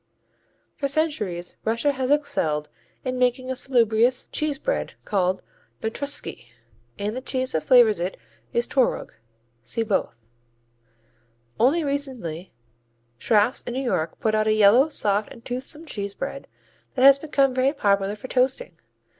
_ For centuries Russia has excelled in making a salubrious cheese bread called Notruschki and the cheese that flavors it is Tworog. (See both.) Only recently Schrafft's in New York put out a yellow, soft and toothsome cheese bread that has become very popular for toasting.